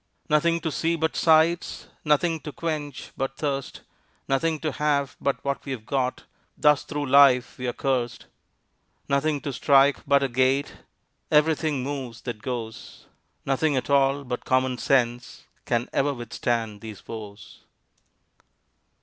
Nothing to see but sights, Nothing to quench but thirst, Nothing to have but what we've got; Thus thro' life we are cursed. Nothing to strike but a gait; Everything moves that goes. Nothing at all but common sense Can ever withstand these woes.